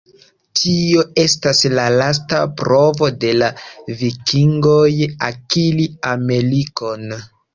Tio estis la lasta provo de la vikingoj akiri Amerikon.